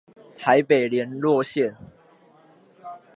台北聯絡線